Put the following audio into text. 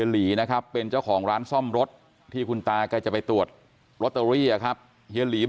ร้านซ่อมรถที่จะไปตรวจโรตเตอรี่